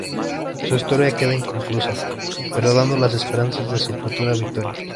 Su historia queda inconclusa, pero dando la esperanza de su futura victoria.